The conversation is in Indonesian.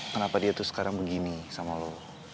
kenapa dia tuh sekarang begini sama lo